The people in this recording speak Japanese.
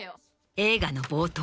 映画の冒頭